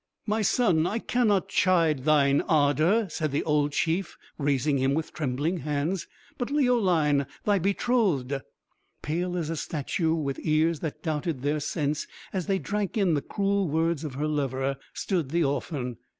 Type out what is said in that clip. "My son, I cannot chide thine ardour," said the old chief, raising him with trembling hands; "but Leoline, thy betrothed?" Pale as a statue, with ears that doubted their sense as they drank in the cruel words of her lover, stood the orphan.